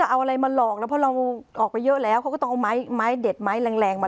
ล่ะเพราะลองเพราะเราออกไปเยอะแล้วพวกเราก็ต้องเอาไม้ไม้เด็ดไม้แรงแรงมา